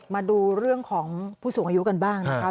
มาดูเรื่องของผู้สูงอายุกันบ้างนะคะ